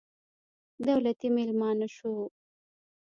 دولتي مېلمانه شوو.